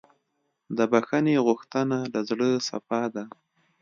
د بښنې غوښتنه د زړه صفا ده.